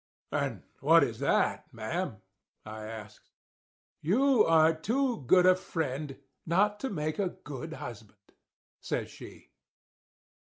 "'And what is that, ma'am?' I asks. "'You are too good a friend not to make a good husband,' says she.